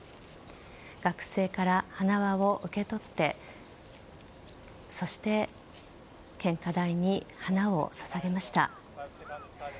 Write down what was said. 学生から花輪を受け取ってそして、献花台に花を捧げました。